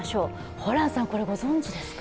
ホランさん、これ、ご存じですか？